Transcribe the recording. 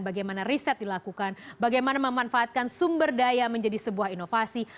bagaimana riset dilakukan bagaimana memanfaatkan sumber daya menjadi sebuah inovasi